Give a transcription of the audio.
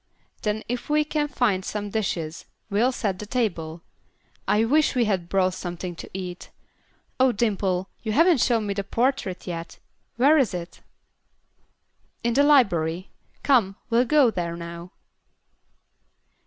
Then if we can find some dishes, we'll set the table. I wish we had brought something to eat. Oh, Dimple, you haven't shown me the portrait yet; where is it?" "In the library. Come, we'll go there now."